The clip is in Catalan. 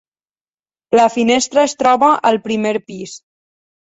La finestra es troba al primer pis.